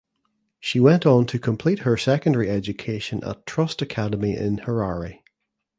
She went on to complete her secondary education at Trust Academy in Harare.